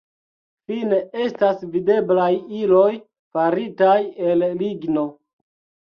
Fine estas videblaj iloj faritaj el ligno.